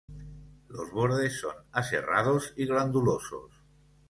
Los bordes son aserrados y glandulosos.